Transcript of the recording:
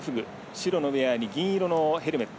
白のウエアに銀色のヘルメット。